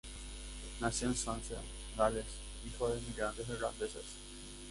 Nació en Swansea, Gales, hijo de inmigrantes irlandeses.